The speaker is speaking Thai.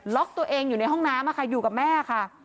ตัวเองอยู่ในห้องน้ำอยู่กับแม่ค่ะ